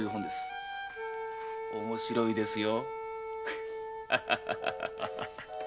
面白いですよ。